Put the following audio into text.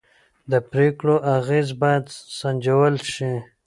د پرېکړو اغېز باید سنجول شي